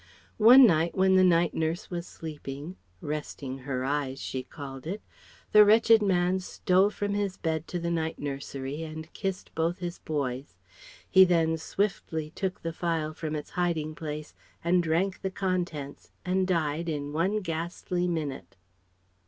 One night when the night nurse was sleeping ("resting her eyes," she called it) the wretched man stole from his bed to the night nursery and kissed both his boys. He then swiftly took the phial from its hiding place and drank the contents and died in one ghastly minute.